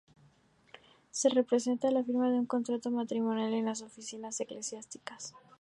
Se representa la firma de un contrato matrimonial en las oficinas eclesiásticas.